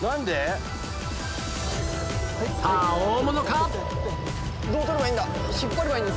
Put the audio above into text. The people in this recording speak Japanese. さぁ大物か？